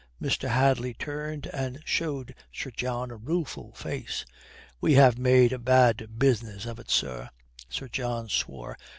Mr. Hadley turned and showed Sir John a rueful face. "We have made a bad business of it, sir." Sir John swore.